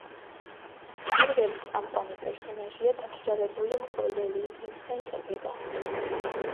პირველის წამყვანი პერსონაჟია დაქირავებული მკვლელი ვინსენტ ვეგა.